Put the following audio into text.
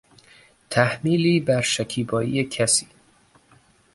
تحمیلی برشکیبایی کسی